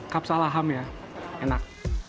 kapsa laham ya enak